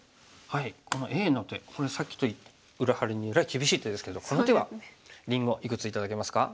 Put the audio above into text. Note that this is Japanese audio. このＡの手これさっきと裏腹にえらい厳しい手ですけどこの手はりんごいくつ頂けますか？